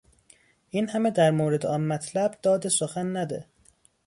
این همه در مورد آن مطلب داد سخن نده.